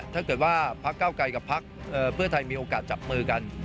ถ้าเกิดว่าพักเก้าไกลกับพักเพื่อไทยมีโอกาสจับมือกัน